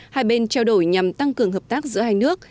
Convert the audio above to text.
hai bên trao đổi nhằm tăng cường hợp tác giữa hai nước